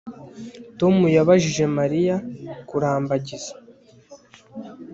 Tom yabajije Mariya kurambagiza